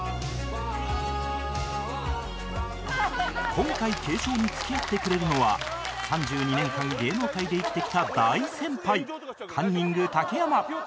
今回継承に付き合ってくれるのは３２年間芸能界で生きてきた大先輩カンニング竹山